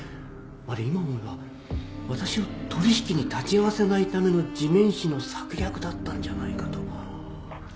あれ今思えば私を取引に立ち会わせないための地面師の策略だったんじゃないかと。